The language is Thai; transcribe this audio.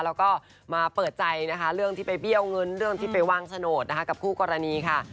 แล้วก็มาเปิดใจนะคะเรื่องที่ไปเบี้ยวเงินเรื่องที่ไปวางโฉนดนะคะกับคู่กรณีค่ะ